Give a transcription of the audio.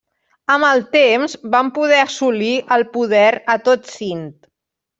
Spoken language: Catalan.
Amb el temps van poder assolir el poder a tot Sind.